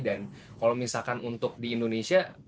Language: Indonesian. dan kalau misalkan untuk di indonesia